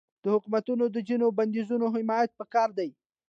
د حکومتونو د ځینو بندیزونو حمایت پکار دی.